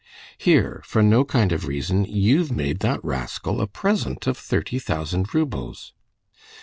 Here, for no kind of reason, you've made that rascal a present of thirty thousand roubles."